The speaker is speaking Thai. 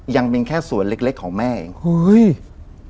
ยังมีแค่ส่วนเล็กของแม่เอง